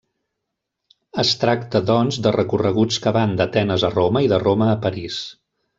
Es tracta, doncs, de recorreguts que van d'Atenes a Roma i de Roma a París.